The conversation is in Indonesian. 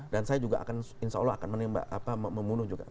dan saya juga akan insya allah akan menembak apa membunuh juga